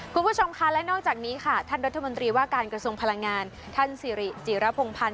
คุณผู้ชมค่ะและนอกจากนี้ค่ะท่านรัฐมนตรีว่าการกระทรวงพลังงานท่านสิริจิรพงภัณฑ